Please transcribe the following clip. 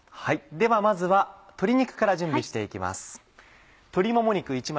ではまずは鶏肉から準備して行きます。